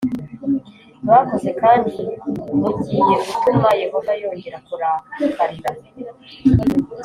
Bakoze kandi mugiye gutuma yehova yongera kurakarira